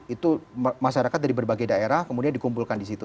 itu masyarakat dari berbagai daerah kemudian dikumpulkan di situ